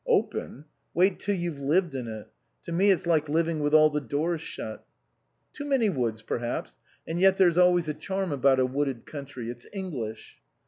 44 INLAND " Open ? Wait till you've lived in it. To me it's like living with all the doors shut." " Too many woods, perhaps. And yet there's always a charm about a wooded country ; it's English."